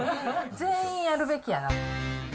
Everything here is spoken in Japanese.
全員やるべきやな。